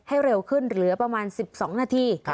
เร็วขึ้นเหลือประมาณ๑๒นาที